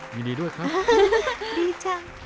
ยินดีด้วยครับดีจัง